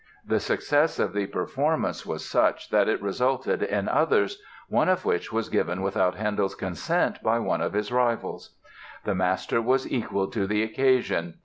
The success of the performance was such that it resulted in others, one of which was given without Handel's consent by one of his rivals. The master was equal to the occasion.